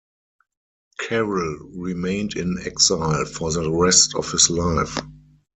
Carol remained in exile for the rest of his life.